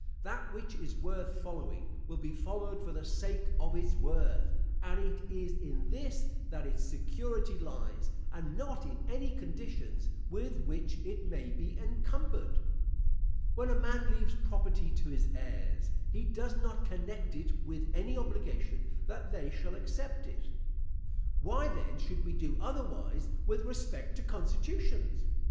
That which is worth following, will be followed for the sake of its worth, and it is in this that its security lies, and not in any conditions with which it may be encumbered. When a man leaves property to his heirs, he does not connect it with an obligation that they shall accept it. Why, then, should we do otherwise with respect to constitutions?